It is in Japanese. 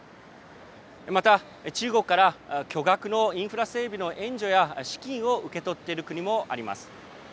また、中国から巨額のインフラ整備の援助や資金を受け取っている国もあります。